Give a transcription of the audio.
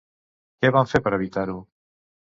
Què van fer per evitar-ho?